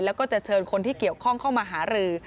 แล้วก็จะเชิญคนที่เกี่ยวข้องเข้ามาหารือ